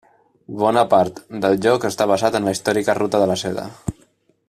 Bona part del joc està basat en la històrica Ruta de la Seda.